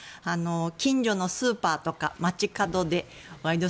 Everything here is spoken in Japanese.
近所のスーパーとか街角で「ワイド！